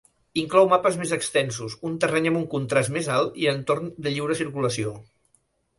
Inclou mapes més extensos, un terreny amb un contrast més alt i entorns de lliure circulació.